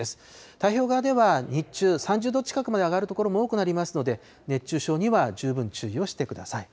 太平洋側では日中、３０度近くまで上がる所も多くなりますので、熱中症には十分注意をしてください。